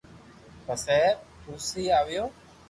پسي ڀائ تلسي آئيو